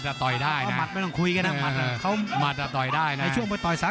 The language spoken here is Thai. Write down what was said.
แต่มัดเราต่อยได้นะ